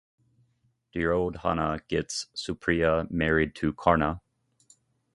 Duryodhana gets Supriya married to Karna.